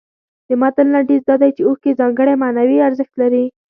د متن لنډیز دا دی چې اوښکې ځانګړی معنوي ارزښت لري.